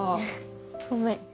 ごめん。